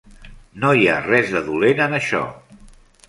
No hi ha res de dolent en això.